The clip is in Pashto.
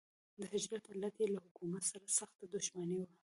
د هجرت علت یې له حکومت سره سخته دښمني وه.